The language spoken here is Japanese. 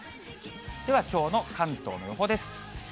ではきょうの関東の予報です。